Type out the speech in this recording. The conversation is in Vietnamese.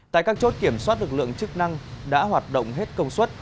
tại các chốt kiểm soát lực lượng chức năng đã hoạt động hết công suất